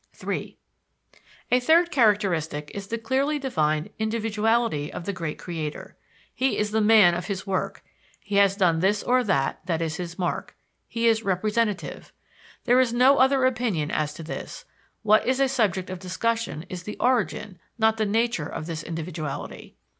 III A third characteristic is the clearly defined individuality of the great creator. He is the man of his work; he has done this or that: that is his mark. He is "representative." There is no other opinion as to this; what is a subject of discussion is the origin, not the nature of this individuality.